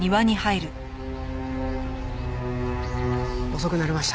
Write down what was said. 遅くなりました。